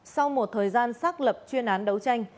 sau một thời gian xác lập chuyên án đấu tranh